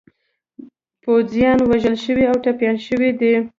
پوځیان وژل شوي او ټپیان شوي دي.